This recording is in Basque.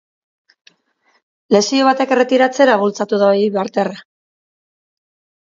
Lesio batek erretiratzera bultzatu du eibartarra.